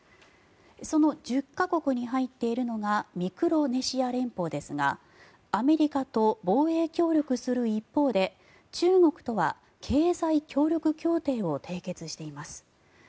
その１０か国に入っているのがミクロネシア連邦ですがアメリカと防衛協力する一方で中国とは経済協力協定を締結しています。